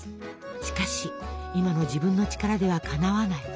しかし今の自分の力ではかなわない。